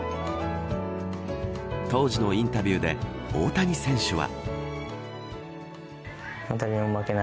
当時のインタビューで大谷選手は。